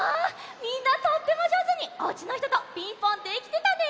みんなとってもじょうずにおうちのひとと「ピンポン」できてたね！